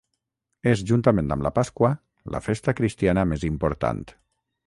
És, juntament amb la Pasqua, la festa cristiana més important.